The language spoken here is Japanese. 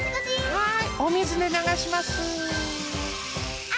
はい。